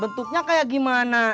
bentuknya kayak gimana